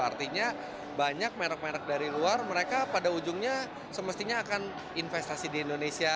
artinya banyak merek merek dari luar mereka pada ujungnya semestinya akan investasi di indonesia